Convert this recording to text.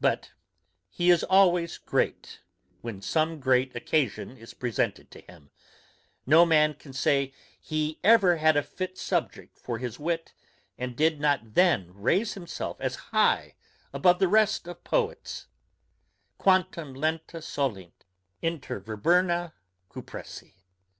But he is always great, when some great occasion is presented to him: No man can say, he ever had a fit subject for his wit, and did not then raise himself as high above the rest of poets, "Quantum lenta solent inter viburna cupressi."